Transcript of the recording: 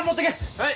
はい！